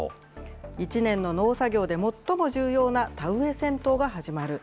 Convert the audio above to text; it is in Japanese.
一年の農作業で最も重要な田植え戦闘が始まる。